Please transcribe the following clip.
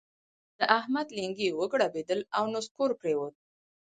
د احمد لېنګي وګړبېدل او نسکور پرېوت.